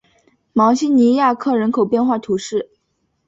芒西尼亚克人口变化图示